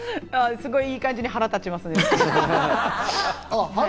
すごい、いい感じに腹立ちますね。